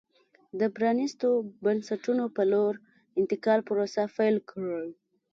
د پرانېستو بنسټونو په لور انتقال پروسه پیل کړي.